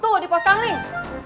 tuh di poskaling